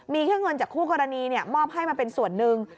มีแค่เงินจากคู่กรณีมอบให้มาเป็นส่วนหนึ่ง